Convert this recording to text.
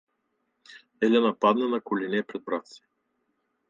Елена падна на колене пред брата си.